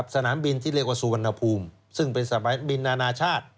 สนามบินที่เรียกว่าสุวรรณภูมิซึ่งเป็นสนามบินนานาชาติ